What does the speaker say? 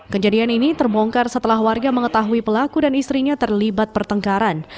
kejadian ini terbongkar setelah warga mengetahui pelaku dan istrinya terlibat pertengkaran